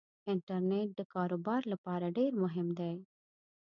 انټرنيټ دکار وبار لپاره ډیرمهم دی